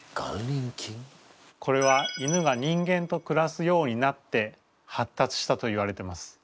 これは犬が人間とくらすようになって発達したといわれてます。